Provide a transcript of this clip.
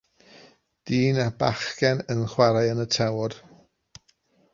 Dyn a bachgen yn chwarae yn y tywod.